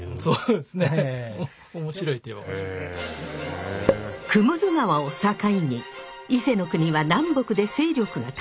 そうですね雲出川を境に伊勢国は南北で勢力が対立。